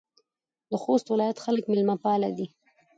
د خوست ولایت خلک میلمه پاله دي.